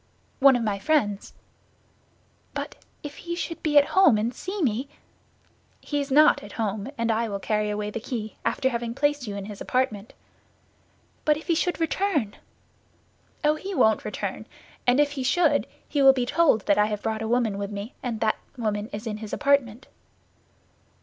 "One of my friends." "But if he should be at home and see me?" "He is not at home, and I will carry away the key, after having placed you in his apartment." "But if he should return?" "Oh, he won't return; and if he should, he will be told that I have brought a woman with me, and that woman is in his apartment."